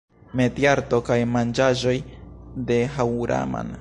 Metiarto kaj manĝaĵoj de Haŭraman